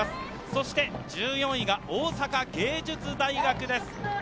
そして１４位が大阪芸術大学です。